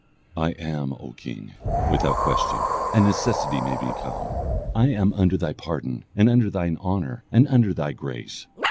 "I am, O king, without question, and necessity made me come. I am under thy pardon, and under thine honour, and under thy grace."